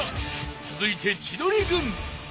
［続いて千鳥軍］